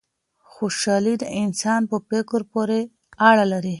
خوشحالي د انسان په فکر پوري اړه لري.